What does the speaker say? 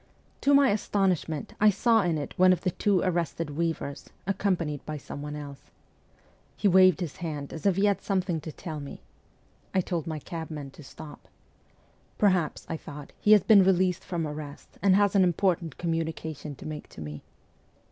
To my astonishment, I saw in it one of the two arrested weavers, accompanied by someone else. He waved his hand as if he had something to tell me. I told my cabman to stop. 'Perhaps,' I thought, 'he has been released from arrest, and has an important communication to make to me.'